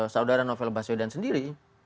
saudara novel bas yudhan sendiri